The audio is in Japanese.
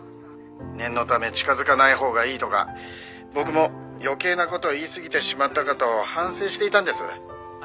「念のため近づかないほうがいいとか僕も余計な事を言いすぎてしまったかと反省していたんです」